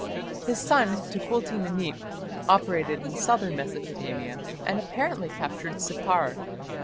His son, Tukulti Ninip, operated in southern Mesopotamia, and apparently captured Sippar.